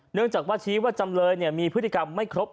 เนื่องจากว่าชี้ว่าจำเลยมีพฤติกรรมไม่ครบ